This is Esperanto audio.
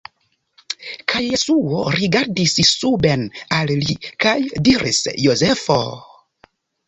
Kaj Jesuo rigardis suben al li, kaj diris: "Jozefo...